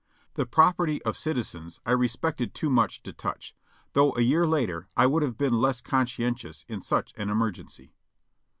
The property of citizens I respected too much to touch, though a year later I would have been less conscientious in such an emergency.